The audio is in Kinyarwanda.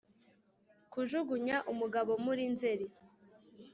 kujugunya umugabo muri nzeri,